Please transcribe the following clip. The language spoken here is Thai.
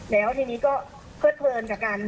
แล้วทีนี้ก็เพิดเพลินกับการ